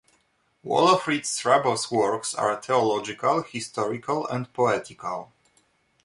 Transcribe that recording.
Walafrid Strabo's works are theological, historical and poetical.